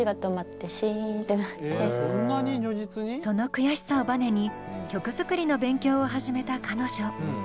その悔しさをバネに曲作りの勉強を始めた彼女。